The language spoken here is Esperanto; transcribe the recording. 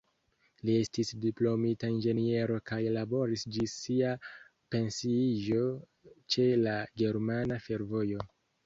Li estis diplomita inĝeniero kaj laboris ĝis sia pensiiĝo ĉe la Germana Fervojo.